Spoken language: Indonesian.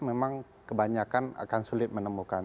memang kebanyakan akan sulit menemukan